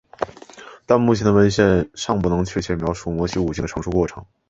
但目前的文献尚不能确切地描述摩西五经的成书过程。